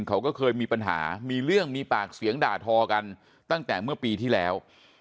เขาก็เคยมีปัญหามีเรื่องมีปากเสียงด่าทอกันตั้งแต่เมื่อปีที่แล้ว